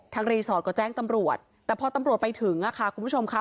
รีสอร์ทก็แจ้งตำรวจแต่พอตำรวจไปถึงค่ะคุณผู้ชมค่ะ